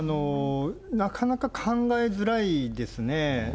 なかなか考えづらいですね。